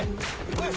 はい！